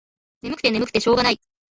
ねむくてねむくてしょうがない。